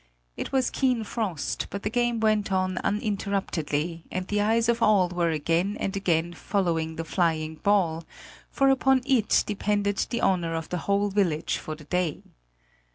It was keen frost, but the game went on uninterruptedly, and the eyes of all were again and again following the flying ball, for upon it depended the honor of the whole village for the day.